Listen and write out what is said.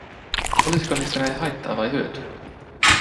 Olisiko niistä meille haittaa vai hyötyä?